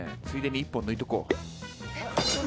ついでに１本抜いとこう。